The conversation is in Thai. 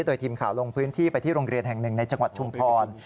โดยทีมข่าวลงพื้นที่ไปที่โรงเรียนแห่งหนึ่งในจังหวัดชุมพร